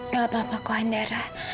gak apa apa koh andara